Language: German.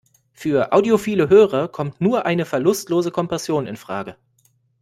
Für audiophile Hörer kommt nur eine verlustlose Kompression infrage.